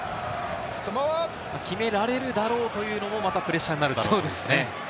決められるだろうというのもまたプレッシャーになると。